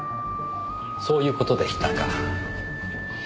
そういう事でしたか。